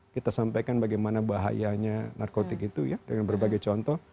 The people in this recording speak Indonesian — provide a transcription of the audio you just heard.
kita sampaikan bagaimana bahayanya narkotik itu ya dengan berbagai contoh